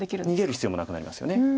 逃げる必要もなくなりますよね。